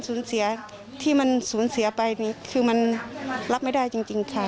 สูญเสียที่มันสูญเสียไปนี่คือมันรับไม่ได้จริงค่ะ